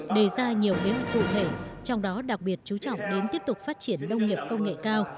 đề ra nhiều kế hoạch cụ thể trong đó đặc biệt chú trọng đến tiếp tục phát triển nông nghiệp công nghệ cao